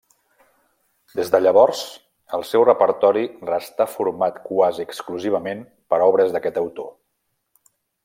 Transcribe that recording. Des de llavors el seu repertori restà format quasi exclusivament per obres d'aquest autor.